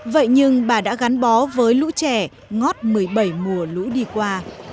vậy nhưng bà đã gắn bó với lũ trẻ ngót một mươi bảy mùa lũ đi qua